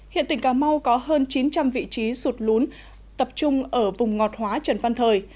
hiện tỉnh cà mau có hơn chín trăm linh vị trí sụt lún tập trung ở vùng ngọt hóa trần văn thời